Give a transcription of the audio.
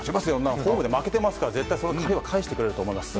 ホームで負けていますから絶対借りは返してくれると思います。